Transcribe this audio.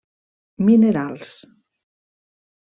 Minerals: